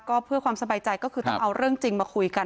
ก็เพื่อความสบายใจก็คือต้องเอาเรื่องจริงมาคุยกัน